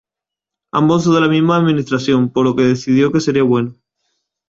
Ambos son de la misma administración, por lo que decidió que sería bueno.